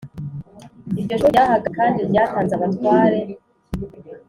iryo shuri ryahagaze kandi ryatanze abatware